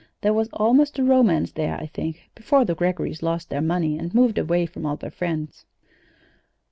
There was almost a romance there, I think, before the Greggorys lost their money and moved away from all their friends."